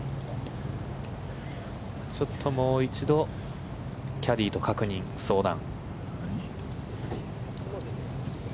ちょっと、もう一度キャディーと確認、相談。